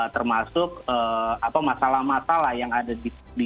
termasuk masalah masalah yang terjadi di kalimantan